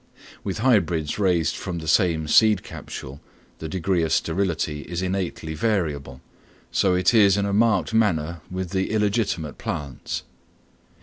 With hybrids raised from the same seed capsule the degree of sterility is innately variable, so it is in a marked manner with illegitimate plants.